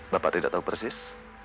bapak tidak tahu persis